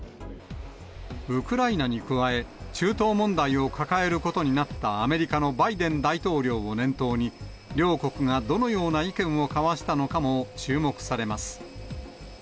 ウクライナに加え、中東問題を抱えることになったアメリカのバイデン大統領を念頭に、両国がどのような意見を交わしたのかも注目されます。